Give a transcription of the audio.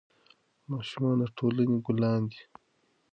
ماشومان د ټولنې ګلان دي.